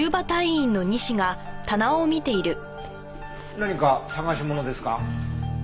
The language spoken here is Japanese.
何か探し物ですか？